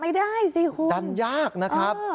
ไม่ได้สิคุณดันยากนะครับ